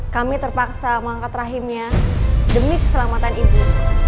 kami terpaksa mengangkat rahimnya demi keselamatan ibu